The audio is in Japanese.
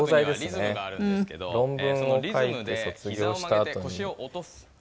論文を書いて卒業したあとに。